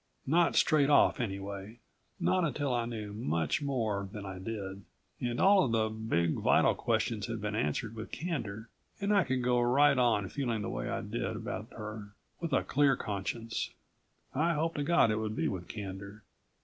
Not straight off, anyway not until I knew much more than I did, and all of the big, vital questions had been answered with candor and I could go right on feeling the way I did about her with a clear conscience. I hoped to God it would be with candor.